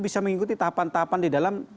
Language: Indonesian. bisa mengikuti tahapan tahapan di dalam